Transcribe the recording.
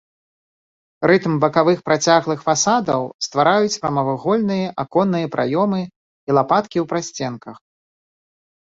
Рытм бакавых працяглых фасадаў ствараюць прамавугольныя аконныя праёмы і лапаткі ў прасценках.